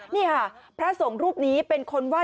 นี่ค่ะพระสงฆ์รูปนี้เป็นคนว่า